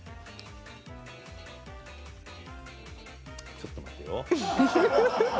ちょっと待てよ。